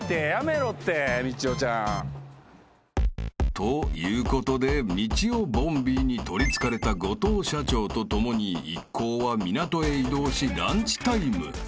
［ということでみちおボンビーに取りつかれた後藤社長とともに一行は港へ移動しランチタイム］